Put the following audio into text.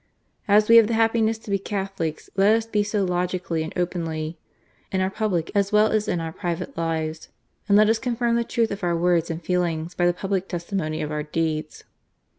As we have the happiness to be Catho lics, let us be so logically and openly; in our public as well as in our private lives ; and let us confirm the truth of our words and feelings by the public testi mony of our deeds."